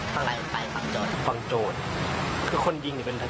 คนเสียปะสอนก็ฝึกยิงปืน